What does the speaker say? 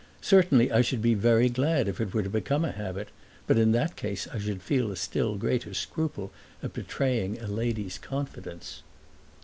"Certainly I should be very glad if it were to become a habit. But in that case I should feel a still greater scruple at betraying a lady's confidence."